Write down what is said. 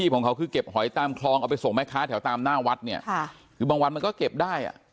ของเขาคือเก็บหอยตามคลองเอาไปส่งแม่ค้าแถวตามหน้าวัดเนี่ยค่ะคือบางวันมันก็เก็บได้อ่ะ